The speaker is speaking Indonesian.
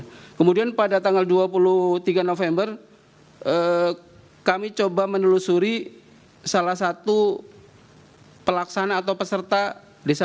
hai kemudian pada tanggal dua puluh tiga november kami coba menelusuri salah satu pelaksana atau peserta desa